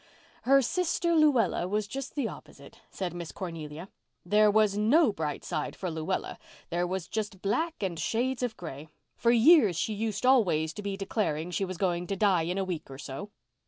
'" "Her sister Luella was just the opposite," said Miss Cornelia. "There was no bright side for Luella—there was just black and shades of gray. For years she used always to be declaring she was going to die in a week or so.